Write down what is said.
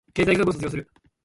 経済学部を卒業する